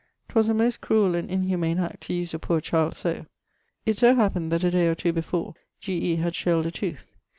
'Twas a most cruel and inhumane act to use a poore child so. It so happened that a day or two before G. E. had shaled a tooth.